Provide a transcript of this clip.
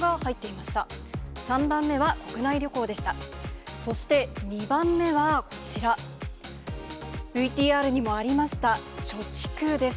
そして２番目はこちら、ＶＴＲにもありました、貯蓄です。